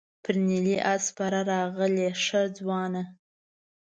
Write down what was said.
پر نیلي آس سپره راغلې ښه ځوانه.